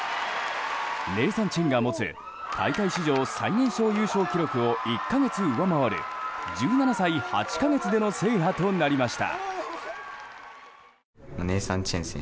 ネイサン・チェンが持つ大会史上最年少優勝記録を１か月上回る１７歳８か月での制覇となりました。